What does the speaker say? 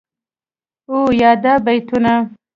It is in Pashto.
او یادا بیتونه..